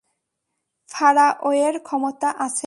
ফারাওয়ের ক্ষমতা আছে।